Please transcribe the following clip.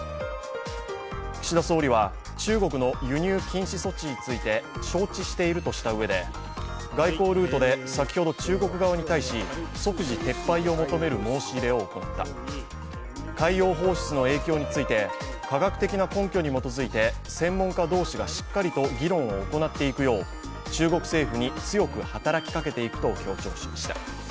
岸田総理は中国の輸入禁止措置について承知しているとしたうえで、外交ルートで先ほど中国側に対し即時撤廃を求める申し入れを行った、海洋放出の影響について、科学的な根拠に基づいて専門家同士がしっかりと議論を行っていくよう中国政府に強く働きかけていくと強調しました